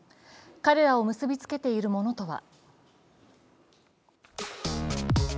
彼らを結びつけているものとは。